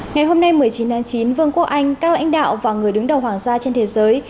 ngày hôm nay một mươi chín tháng chín vương quốc anh các lãnh đạo và người đứng đầu hoàng gia trên thế giới